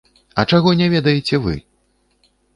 А чаго не ведаеце вы?